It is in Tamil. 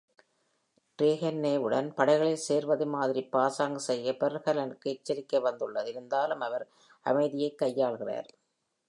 ட்ரெஹெர்னேவுடன் படைகளில் சேர்வது மாதிரி பாசாங்கு செய்ய பெங்கல்லனுக்கு எச்சரிக்கை வந்துள்ளது இருந்தாலும் அவர் அமைதியைக் கையாள்கிறார்.